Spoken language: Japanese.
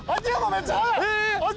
めっちゃ速い！